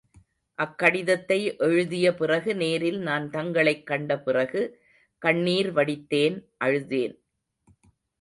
அக்கடிதத்தை எழுதிய பிறகு நேரில் நான் தங்களைக் கண்ட பிறகு கண்ணீர் வடித்தேன் அழுதேன்.